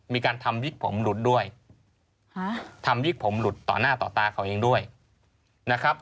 มีการทำวิกผมหลุดด้วยทำวิกผมหลุดต่อหน้าต่อตาเขาเองด้วยนะครับ